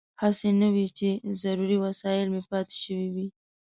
هسې نه وي چې ضروري وسایل مې پاتې شوي وي.